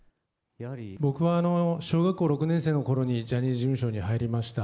僕は小学校６年生のころにジャニーズ事務所に入りました。